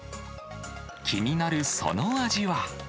気になるその味は？